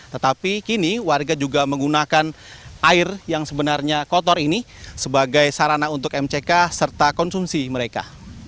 tetapi kini warga juga menggunakan air yang sebenarnya kotor ini sebagai sarana untuk mck serta konsumsi mereka